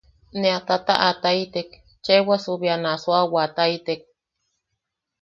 Ne a tataʼataitek cheewasu bea ne a suawaʼataitek.